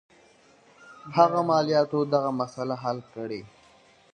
هغه مالیاتو دغه مسله حل کړي.